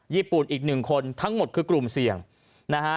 ญี่ปุ่นอีกหนึ่งคนทั้งหมดคือกลุ่มเสี่ยงนะฮะ